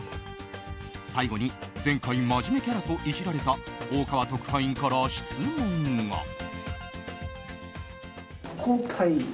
最期に前回真面目キャラとイジられた大川特派員から質問が。